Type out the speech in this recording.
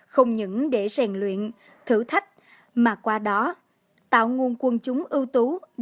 không những để rèn luyện thử thách mà qua đó tạo nguồn quân chúng ưu tú